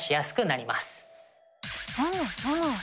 ふむふむ。